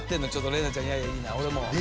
怜奈ちゃんやいやい言いな俺も。